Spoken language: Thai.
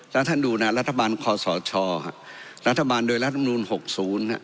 แล้วถ้าดูนะรัฐบาลคอสชครับรัฐบาลโดยรัฐบนูล๖๐ครับ